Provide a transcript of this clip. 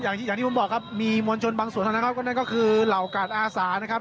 อย่างที่อย่างที่ผมบอกครับมีมวลชนบางส่วนนะครับก็นั่นก็คือเหล่ากาศอาสานะครับ